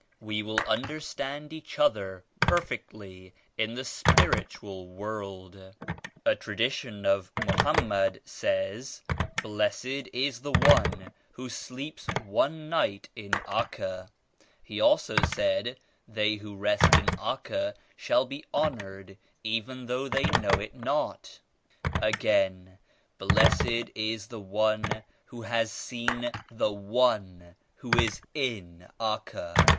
We will understand each other perfectly in the spiritual world. A tradition of Mohammed says ^Blessed is the one who sleeps one night in Acca.' He also said They who rest in Acca shall be hon ored even though they know it not' Again ^Blessed is the one who has seen the One who is in Acca.'